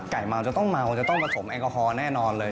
ไก่เมาจะต้องเมาจะต้องประสงค์แอลกอฮอล์แน่นอนเลย